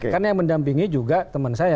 karena yang mendampingi juga teman saya